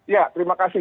ya terima kasih